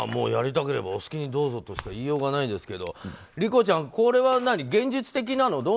やりたければお好きにどうぞとしか言いようがないですけど理子ちゃん、これは現実的なの？